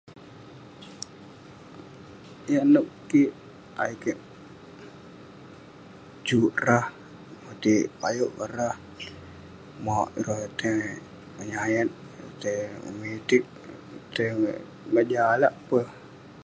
Yah nouk kik ayuk kik suk rah, akouk motik kayouk ngan rah, mauk ireh tai menyayat, tai memitik, tai ngejalak peh..